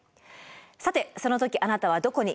さてその時あなたはどこに？